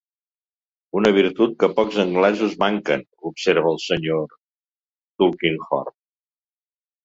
"Una virtut que pocs anglesos manquen", observa el Sr. Tulkinghorn.